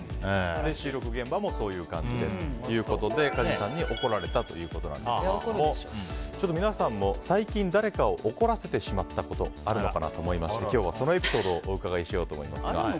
収録現場もそういう感じでということで梶さんに怒られたということですが皆さんも最近誰かを怒らせてしまったことあるのかなと思いまして今日はそのエピソードを伺いたいと思います。